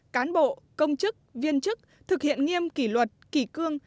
cán bộ công chức viên chức thực hiện nghiêm kỷ luật kỷ cương